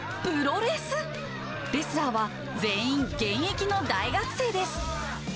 レスラーは全員現役の大学生です。